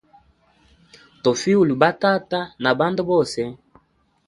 Tofiya uli ba tata na bandu bose.